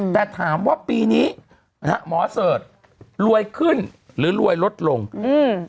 แต่ถามว่าปีนี้นะฮะหมอเสิร์ชรวยขึ้นหรือรวยลดลงอืม